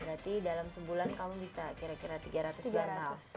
berarti dalam sebulan kamu bisa kira kira tiga ratus di atas